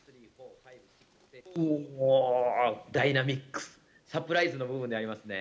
おー、ダイナミック、サプライズの部類になりますね。